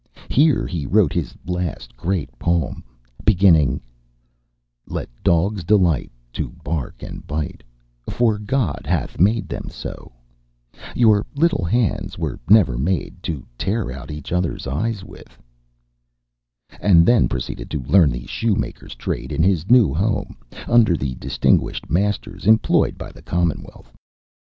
Here he wrote his last great poem, beginning: "Let dogs delight to bark and bite, For God hath made them so Your little hands were never made To tear out each other's eyes with " and then proceeded to learn the shoemaker's trade in his new home, under the distinguished masters employed by the commonwealth.